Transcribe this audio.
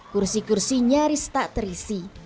kursi kursi nyaris tak terisi